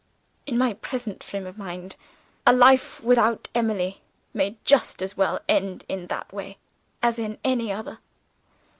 In my present frame of mind, a life without Emily may just as well end in that way as in any other.